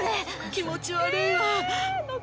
気持ち悪いわ。